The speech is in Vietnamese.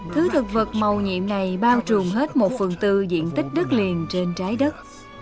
thứ thực vật màu nhộm này bao trùm hết một phần tư diện tích đất liền trên trái đất